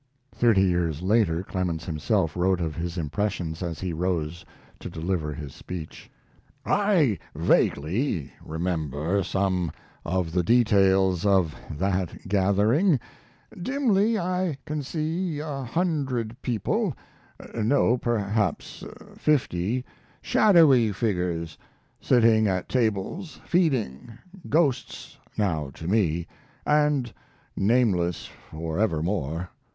Thirty years later Clemens himself wrote of his impressions as he rose to deliver his speech. I vaguely remember some of the details of that gathering: dimly I can see a hundred people no, perhaps fifty shadowy figures, sitting at tables feeding, ghosts now to me, and nameless forevermore.